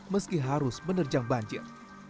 meski harus menerjang banjir